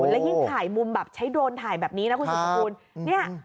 และยิ่งถ่ายมุมแบบใช้โดรนถ่ายแบบนี้นะคุณสุดสกุล